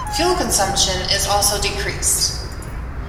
Fuel consumption is also decreased.